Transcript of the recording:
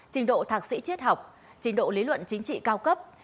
trình độ thạc sĩ triết học trình độ lý luận chính trị cao cấp